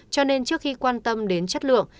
cho nên trước khi quan tâm đến chất lượng